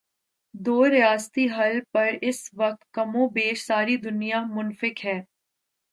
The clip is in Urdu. دو ریاستی حل پر اس وقت کم و بیش ساری دنیا متفق ہے۔